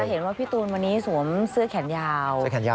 เห็นว่าพี่ตูนวันนี้สวมเสื้อแขนยาว